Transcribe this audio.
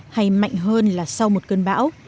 hay mạnh hơn là sau một cơn bão